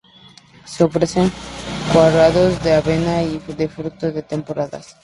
Se ofrecen curados de avena y de frutas de temporada.